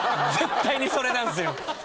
絶対にそれなんすよ。